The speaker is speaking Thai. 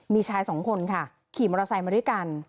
มีชายสองคนค่ะขี่มอเตอร์ไซค์มาด้วยกัน